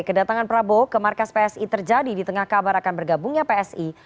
kedatangan prabowo ke markas psi terjadi di tengah kabar akan bergabungnya psi